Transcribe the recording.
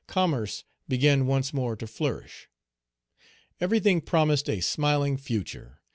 Commerce began once more to flourish. Everything promised a smiling future.